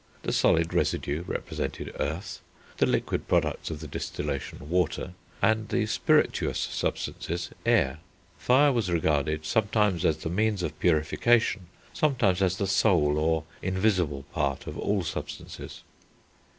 The solid residue represented earth; the liquid products of the distillation, water; and the spirituous substances, air. Fire was regarded sometimes as the means of purification, sometimes as the soul, or invisible part, of all substances.